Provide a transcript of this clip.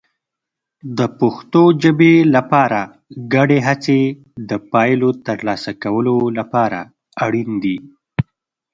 د پښتو ژبې لپاره ګډې هڅې د پایلو ترلاسه کولو لپاره اړین دي.